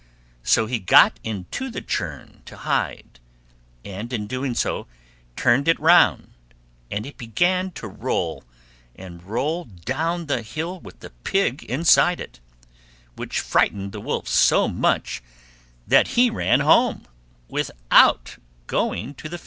So he got into the churn to hide, and in doing so turned it round, and it began to roll, and rolled down the hill with the Pig inside it, which frightened the Wolf so much that he ran home without going to the Fair.